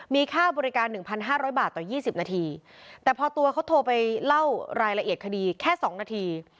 มีค่าบริการหนึ่งพันห้าร้อยบาทต่อยี่สิบนาทีแต่พอตัวเขาโทรไปเล่ารายละเอียดคดีแค่สองนาที